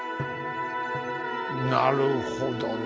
なるほどね。